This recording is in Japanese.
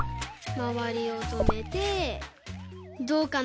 まわりをとめてどうかな？